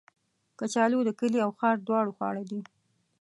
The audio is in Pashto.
کچالو د کلي او ښار دواړو خواړه دي